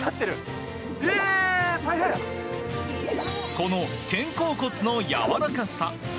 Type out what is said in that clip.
この肩甲骨のやわらかさ。